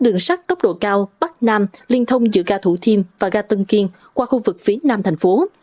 đường sắt tốc độ cao bắc nam liên thông giữa ga thủ thiêm và ga tân kiên qua khu vực phía nam thành phố